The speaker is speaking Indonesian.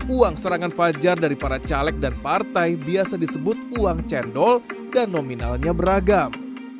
uang serangan fajar dari para caleg dan partai biasa disebut uang cendol dan nominalnya beragam